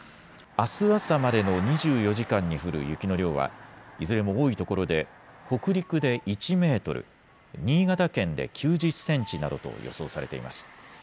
あす朝までの２４時間に降る雪の量はいずれも多いところで北陸で１メートル、新潟県で９０センチなどと予想されています。